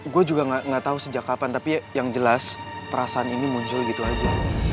gue juga gak tahu sejak kapan tapi yang jelas perasaan ini muncul gitu aja